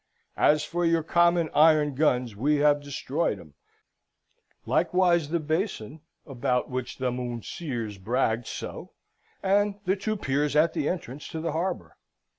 As for your common iron guns, we have destroyed 'em, likewise the basin (about which the mounseers bragged so), and the two piers at the entrance to the harbour.